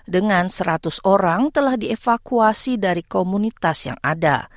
dengan seratus orang telah dievakuasi dari komunitas yang ada